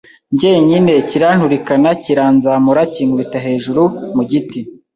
njyenyine kiranturikana kiranzamura kinkubita hejuru mu giti